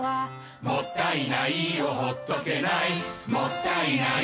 「もったいないをほっとけない」「もったいないをほっとけない」